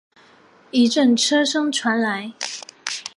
一阵车声传来